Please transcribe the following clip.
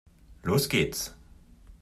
Los geht's!